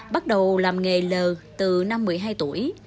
bắt đầu làm nghề l từ năm một mươi hai tuổi